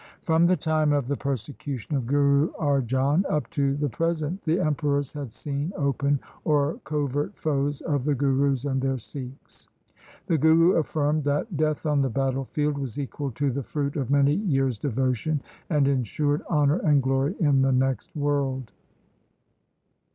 From the time of the persecution of Guru Arjan up to the present the emperors had been open or covert foes of the Gurus and their Sikhs. The Guru affirmed that death on the battle field was equal to the fruit of many years' devotion, and ensured honour and glory in the next world.